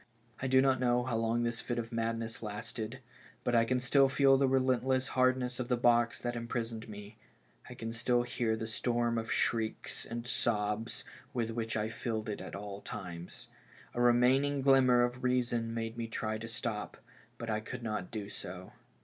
I do not know how long this fit of madness lasted, but I can still feel the relentless hardness of the box that imprisoned me; I can still hear the storm of shrieks and sobs with which I filled it at times; a remaining glimmer of reason made me try to stop, but I could not do so.